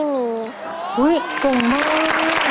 ขอบคุณครับ